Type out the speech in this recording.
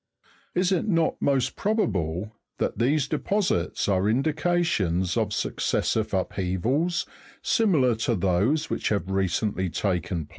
Is it not most probable that these deposits are indications of suc cessive upheavals, similar to those which have recently taken place?